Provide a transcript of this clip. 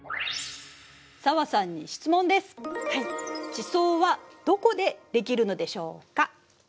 地層はどこでできるのでしょうか？